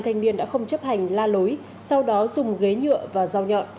thanh niên đã không chấp hành la lối sau đó dùng ghế nhựa và dao nhọn